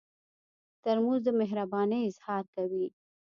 ترموز د مهربانۍ اظهار کوي.